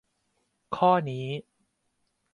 ข้อนี้